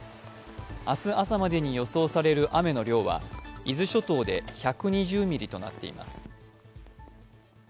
明日朝までに予想される雨の量は伊豆諸島で１２０ミリとなっています